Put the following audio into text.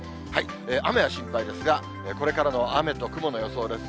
雨が心配ですが、これからの雨と雲の予想です。